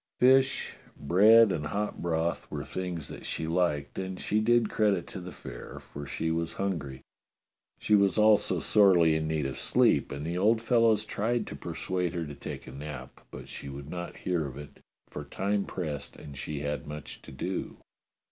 Fish, bread, and hot broth were things that she liked, and she did credit to the fare, for she was hungry. She was also sorely in need of sleep, and the old fellows tried to persuade her to take a nap, but she would not hear of it, for time pressed and she had much to do.